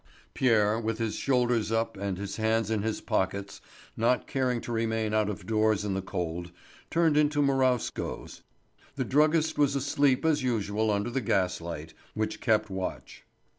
Pierre, with his shoulders up and his hands in his pockets, not caring to remain out of doors in the cold, turned into Marowsko's. The druggist was asleep as usual under the gas light, which kept watch.